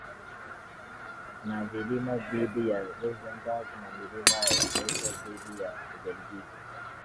Na vilima dhidi ya Luxemburg na milima ya Eifel dhidi ya Ubelgiji